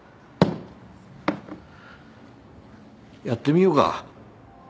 やってみようか。